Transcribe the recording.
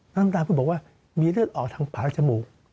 น้อนน้ำตาลพูดบอกว่ามีเลือดออกทางผาและจมูก